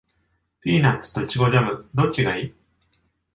ピーナッツとイチゴジャム、どっちがいい？